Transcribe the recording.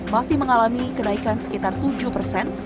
masih mengalami kenaikan sekitar tujuh persen